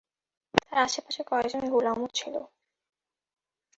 তার আশে-পাশে কয়েকজন গোলামও ছিল।